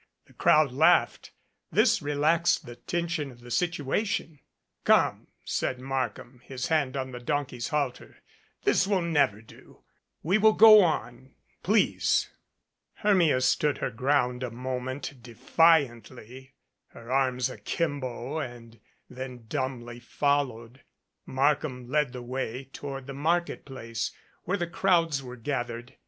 The crowd laughed. This relaxed the tension of the situation. 187 MADCAP "Come," said Markham, his hand on the donkey's halter. "This will never do. We will go on, please." Hermia stood her ground a moment defiantly, her arms akimbo and then dumbly followed. Markham led the way toward the market place, where the crowds were gathered.